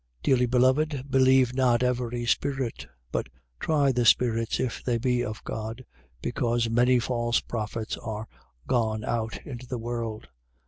4:1. Dearly beloved, believe not every spirit, but try the spirits if they be of God: because many false prophets are gone out into the world.